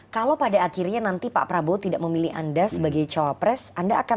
kalau pada akhirnya nanti pak prabowo tidak memilih anda sebagai cawapres anda akan